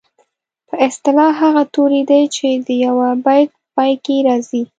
په اصطلاح هغه توري دي چې د یوه بیت په پای کې راځي.